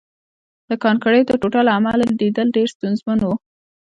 د کانکریټو ټوټو له امله لیدل ډېر ستونزمن وو